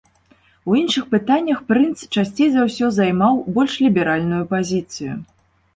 У іншых пытаннях прынц часцей за ўсё займаў больш ліберальную пазіцыю.